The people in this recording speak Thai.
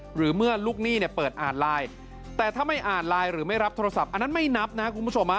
หรือเมื่อลูกหนี้เนี่ยเปิดอ่านไลน์แต่ถ้าไม่อ่านไลน์หรือไม่รับโทรศัพท์อันนั้นไม่นับนะคุณผู้ชม